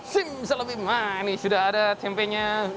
simsalabim wah ini sudah ada tempenya